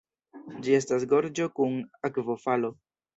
Ĝi estas gorĝo kun akvofalo.